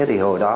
thế thì hồi đó